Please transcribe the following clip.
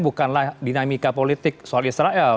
bukanlah dinamika politik soal israel